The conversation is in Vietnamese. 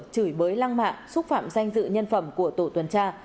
chửi bới lang mạng xúc phạm danh dự nhân phẩm của tổ tuần tra